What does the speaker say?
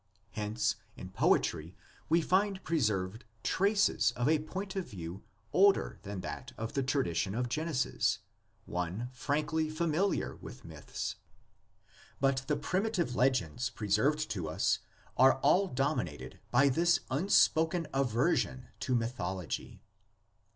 Hence in poetry we find preserved traces of a point of view older than that of the tradition of Genesis, one frankly familiar with myths. But the primitive legends preserved to us are all dominated by this unspoken aversion to mythology.